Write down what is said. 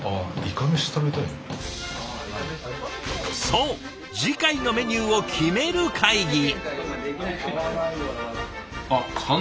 そう次回のメニューを決める会議。